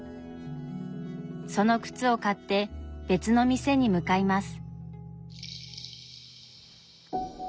その靴を買って別の店に向かいます。